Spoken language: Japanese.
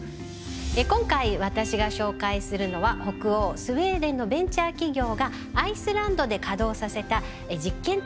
今回私が紹介するのは北欧スウェーデンのベンチャー企業がアイスランドで稼働させた実験的な取り組みです。